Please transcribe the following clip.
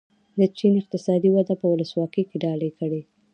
د چین اقتصادي وده به ولسواکي ډالۍ کړي.